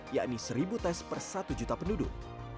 yakni seribu tes per satu juta penduduk